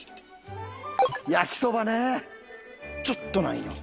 焼きそばねちょっとなんよ。